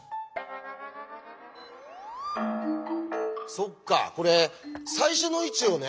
そっかこれ最初の位置をね